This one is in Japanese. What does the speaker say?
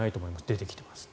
出てきています。